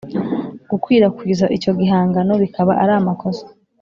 Gukwirakwiza icyo gihangano bikaba ari amakosa